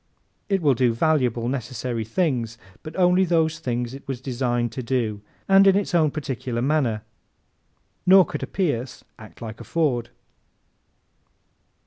It will do valuable, necessary things but only those things it was designed to do and in its own particular manner; nor could a Pierce act like a Ford.